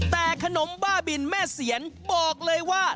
แต่ขนมบ้าบินแม่เสียนบอกเลยว่า